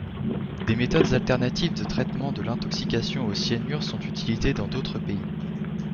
Des méthodes alternatives de traitement de l'intoxication au cyanure sont utilisées dans d'autres pays.